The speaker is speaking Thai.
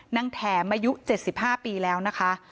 นั่งแถมมายุ๗๕ปีแล้วนะคะ